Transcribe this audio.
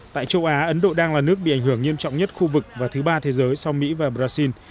tại châu á ấn độ đang là nước bị ảnh hưởng nghiêm trọng nhất khu vực và thứ ba thế giới sau mỹ và brazil